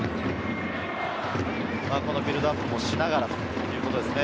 ビルドアップもしながらということですね。